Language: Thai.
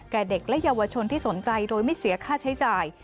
เด็กและเยาวชนที่สนใจโดยไม่เสียค่าใช้จ่าย